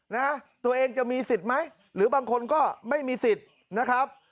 นะตัวเองจะมีสิทธิ์ไหมหรือบางคนก็ไม่มีสิทธิ์นะครับ